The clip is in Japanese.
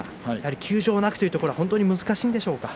休場なくというのは本当に難しいんでしょうか。